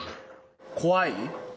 怖い？